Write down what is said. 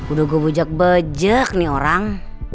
udah gue bujak bejek nih orang